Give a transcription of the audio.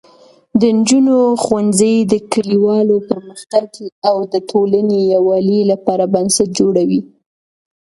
د نجونو ښوونځی د کلیوالو پرمختګ او د ټولنې یووالي لپاره بنسټ جوړوي.